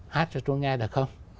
hát cho tôi nghe được không